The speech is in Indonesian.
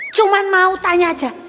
cuman mau tanya aja